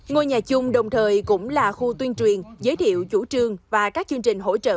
ngôi nhà chung đồng thời cũng là khu tuyên truyền giới thiệu chủ trương và các chương trình hỗ trợ